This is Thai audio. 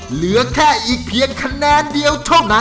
เหลือแค่อีกเพียงคะแนนเดียว